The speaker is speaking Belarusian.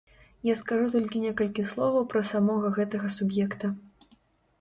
Я скажу толькі некалькі словаў пра самога гэтага суб'екта.